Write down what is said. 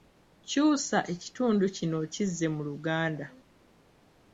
Kyusa ekitundu kino okizze mu Luganda.